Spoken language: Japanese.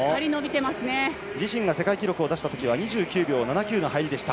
自身が世界記録を出したときは２９秒７９の入りでした。